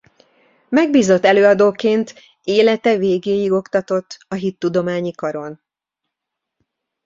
Megbízott előadóként élete végéig oktatott a Hittudományi Karon.